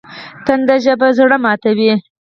تنده ژبه زړه ماتوي